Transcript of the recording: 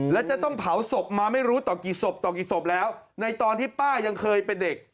และจะต้องเผาศพมาไม่รู้ต่อกี่ศพต่อกี่ศพแล้วในตอนที่ป้ายังเคยเป็นเด็ก